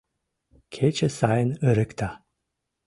Кече сайын ырыкта;